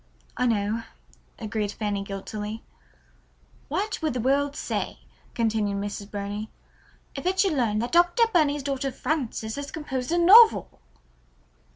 "I know," agreed Fanny guiltily. "What would the world say," continued Mrs. Burney, "if it should learn that Dr. Burney's daughter Frances had composed a novel!"